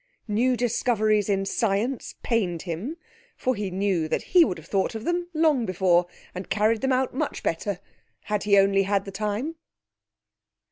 New discoveries in science pained him, for he knew that he would have thought of them long before, and carried them out much better, had he only had the time.